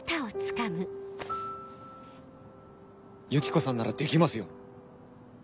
ユキコさんならできますよ。